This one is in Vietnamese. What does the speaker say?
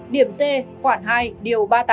điểm c khoảng hai điều ba mươi tám